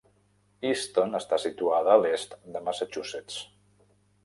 Easton està situada a l'est de Massachusetts.